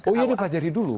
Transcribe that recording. oh iya dipelajari dulu